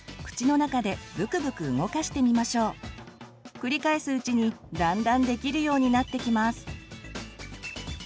繰り返すうちにだんだんできるようになってきます。